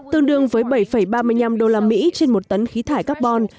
tương đương với bảy ba mươi năm đô la mỹ trên một tấn khí thải carbon